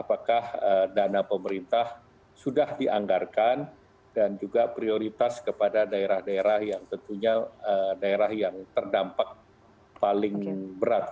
apakah dana pemerintah sudah dianggarkan dan juga prioritas kepada daerah daerah yang tentunya daerah yang terdampak paling berat